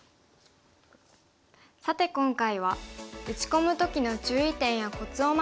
さて今回は打ち込む時の注意点やコツを学びました。